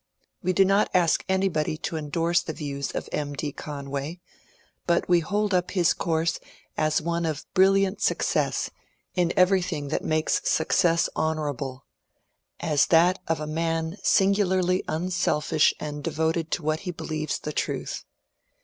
We do not ask anybody to endorse the views of M. D. Conway ; but we hold up his course as one of brilliant success, in everything that makes 308 M0NC3URE DANIEL CONWAY Buocess honourable, — as that of a man singuhirly unselfish and devoted to what he believes the truth.